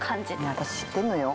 私知ってんのよ